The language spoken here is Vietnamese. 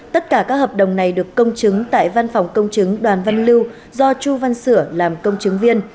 tất cả các hợp đồng này được công chứng tại văn phòng công chứng đoàn văn lưu do chu văn sửa làm công chứng viên